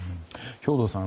兵頭さん